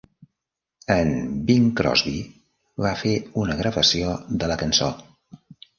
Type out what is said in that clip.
En Bing Crosby va fer una gravació de la cançó.